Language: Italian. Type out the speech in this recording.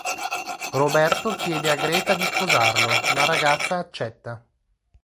Roberto chiede a Greta si sposarlo, la ragazza accetta.